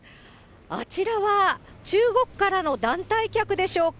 あちらは中国からの団体客でしょうか。